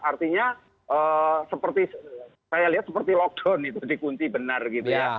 artinya seperti saya lihat seperti lockdown itu dikunci benar gitu ya